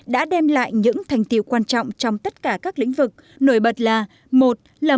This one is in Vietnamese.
đã đem lại những thành tiêu quan trọng trong tất cả các lĩnh vực nổi bật là